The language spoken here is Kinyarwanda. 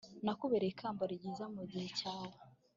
nakubereye ikamba ryiza mugihe cyawe